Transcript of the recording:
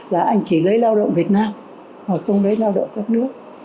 là anh chỉ lấy lao động việt nam hoặc không lấy lao động các nước